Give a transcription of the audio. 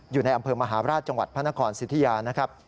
อยู่ในอำเภอมหาราชจังหวัดพระนครสิทธิยานะครับ